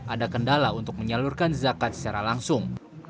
ada kendala untuk menyalurkan zakat secara langsung